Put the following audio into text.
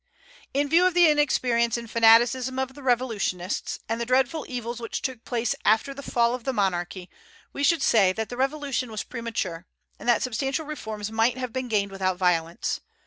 In view of the inexperience and fanaticism of the revolutionists, and the dreadful evils which took place after the fall of the monarchy, we should say that the Revolution was premature, and that substantial reforms might have been gained without violence.